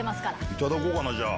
いただこうかなじゃあ。